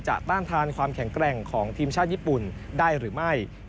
ต้านทานความแข็งแกร่งของทีมชาติญี่ปุ่นได้หรือไม่